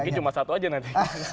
mungkin cuma satu aja nanti